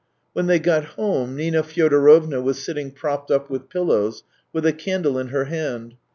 When they got home, Nina Fyodorovna was sitting propped up with pillows, with a candle in her hand.